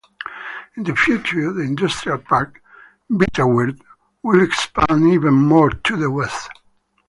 In the future the industrial park, Betterwird, will expand even more to the west.